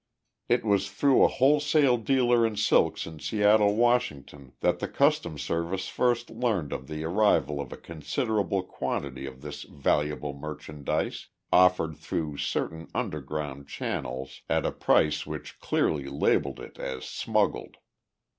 It was through a wholesale dealer in silks in Seattle, Washington, that the Customs Service first learned of the arrival of a considerable quantity of this valuable merchandise, offered through certain underground channels at a price which clearly labeled it as smuggled.